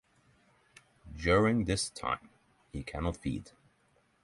During this time he cannot feed.